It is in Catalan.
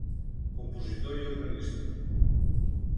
Compositor i organista.